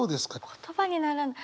言葉にならない。